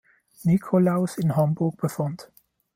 Nikolaus in Hamburg befand.